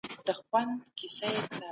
اقتصاد او ټولنه باید یو ځای وڅېړل سي.